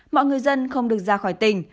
mọi người dân không được ra khỏi tỉnh